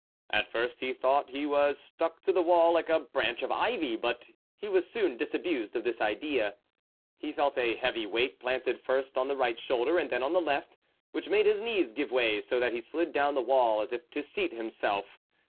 At first he thought he was stuck to the wall like a branch of ivy, but he was soon disabused of this idea. He felt a heavy weight planted first on the right shoulder and then on the left, which made his knees give way so that he slid down the wall as if to seat himself.